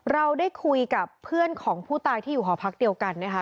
เราได้คุยกับเพื่อนของผู้ตายที่อยู่หอพักเดียวกันนะคะ